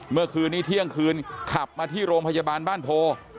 เมื่อคืนนี้เที่ยงคืนขับมาที่โรงพยาบาลบ้านโพ